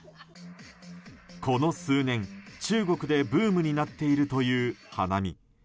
この数年、中国でブームになっているという花見。